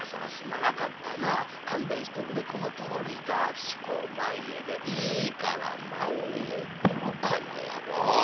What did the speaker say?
吉公前へいいから前へ出ろこの野郎。